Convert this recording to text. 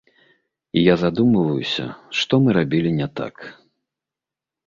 І я задумваюся, што мы рабілі не так.